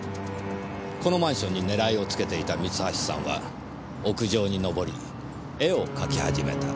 このマンションに狙いをつけていた三橋さんは屋上に上り絵を描き始めた。